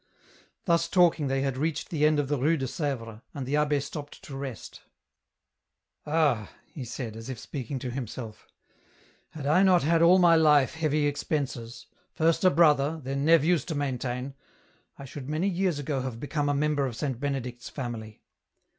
Thus talking they had reached the end of the Rue de Sevres, and the abbd stopped to rest. " Ah," he said, as if speaking to himself, " had T not had all my life heavy expenses, first a brother, then nephews to maintain, I should many years ago have become a member EN ROUTE. 113 of Saint Benedict's family.